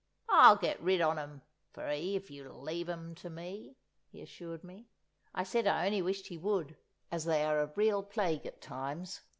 "I'll get rid on 'em for 'ee if you'll leave 'em to me!" he assured me. I said I only wished he would, as they are a real plague at times.